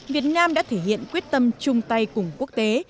việt nam đã thể hiện quyết tâm chung tay cùng quốc tế